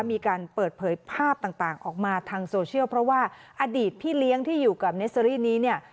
มีการเปิดเผยภาพต่างออกมาทางโซเชียลเพราะว่าอดีตพี่เลี้ยงที่อยู่กับเนสเตอรี่นี้เนี่ย